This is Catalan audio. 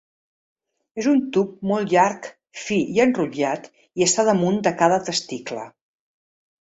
És un tub molt llarg, fi i enrotllat i està damunt de cada testicle.